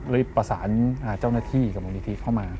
รีบประสานเจ้าหน้าที่กับบุญทีเข้ามา